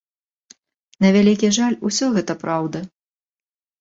На вялікі жаль, усё гэта праўда.